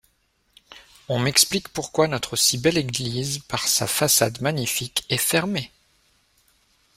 Ont m’explique pourquoi notre si belle église par ça façade magnifique est fermer?